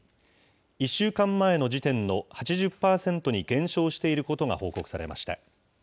１週間前の時点の８０％に減少していることが報告されました。